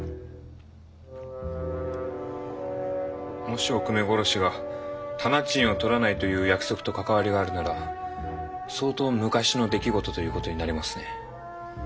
もしおくめ殺しが店賃を取らないという約束と関わりがあるなら相当昔の出来事という事になりますね。